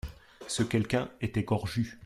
Ce quelqu'un était Gorju.